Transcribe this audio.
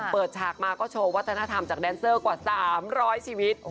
ฉากมาก็โชว์วัฒนธรรมจากแดนเซอร์กว่า๓๐๐ชีวิต